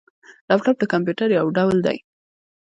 لیپټاپ د کمپيوټر یو ډول دی